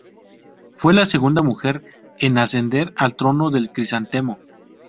Fue la segunda mujer en ascender al Trono del Crisantemo.